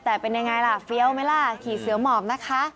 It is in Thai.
แต่เป็นยังไงล่ะเฟี้ยวไหมล่ะขี่เสือหมอบนะคะ